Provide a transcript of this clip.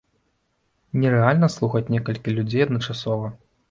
Нерэальна слухаць некалькі людзей адначасова.